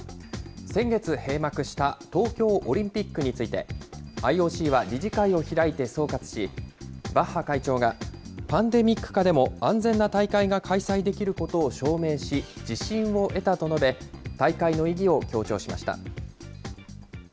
先月閉幕した東京オリンピックについて、ＩＯＣは理事会を開いて総括し、バッハ会長がパンデミック下でも安全な大会が開催できることを証明し、自信を得たと述べ、大会の意義を強調しました。